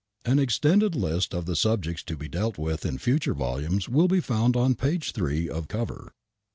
An extended list of the subjects to be dealt with in future volumes will be found on page three of cover.